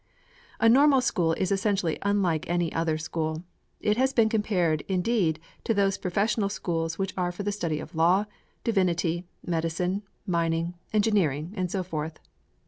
A Normal School is essentially unlike any other school. It has been compared indeed to those professional schools which are for the study of law, divinity, medicine, mining, engineering, and so forth.